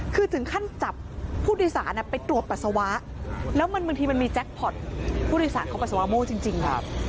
คือถึงขั้นจับผู้โดยสารน่ะไปตรวจปัสสาวะแล้วมันบางทีมันมีผู้โดยสารเขาปัสสาวะโม้จริงจริงครับ